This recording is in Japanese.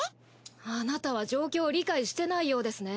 あなたは状況を理解してないようですね。